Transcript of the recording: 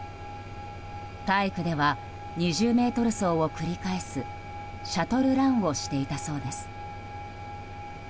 体育では２０ｍ走を繰り返すシャトルランをしていたそうです。